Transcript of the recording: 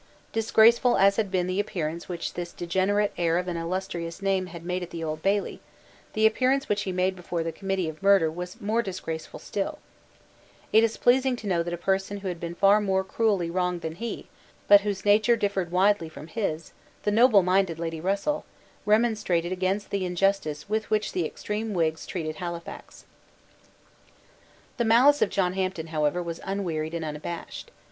Disgraceful as had been the appearance which this degenerate heir of an illustrious name had made at the Old Bailey, the appearance which he made before the Committee of Murder was more disgraceful still, It is pleasing to know that a person who had been far more cruelly wronged than he, but whose nature differed widely from his, the nobleminded Lady Russell, remonstrated against the injustice with which the extreme Whigs treated Halifax, The malice of John Hampden, however, was unwearied and unabashed.